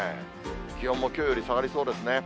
気温もきょうより下がりそうですね。